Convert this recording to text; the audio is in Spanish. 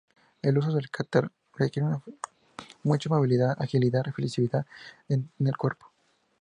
El uso del "katar" requiere mucha movilidad, agilidad y flexibilidad en el cuerpo.